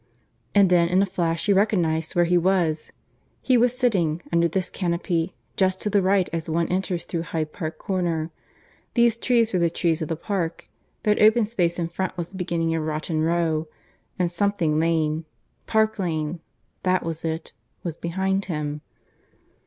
And then in a flash he recognized where he was. He was sitting, under this canopy, just to the right as one enters through Hyde Park Corner; these trees were the trees of the Park; that open space in front was the beginning of Rotten Row; and Something Lane Park Lane (that was it!) was behind him.